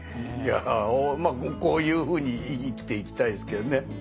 いやこういうふうに生きていきたいですけどね。